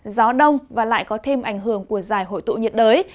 gió đông và lại có thêm ảnh hưởng của giải hội tụ nhiệt đới